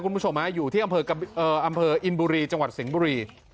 คุณผู้ชมฮะอยู่ที่อำเภอกับเอ่ออำเภออินบุรีจังหวัดสิงห์บุรี